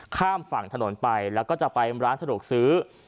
ข้ามฝั่งถนนไปแล้วก็จะไปร้านสะดวกซื้อ